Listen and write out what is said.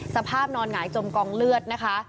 สภาพนอนหงายจมกองเลือดนะคะ